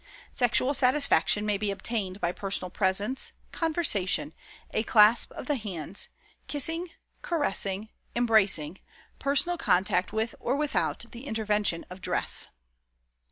Sexual satisfaction may be obtained by personal presence, conversation, a clasp of the hands, kissing, caressing, embracing, personal contact with or without the intervention of dress.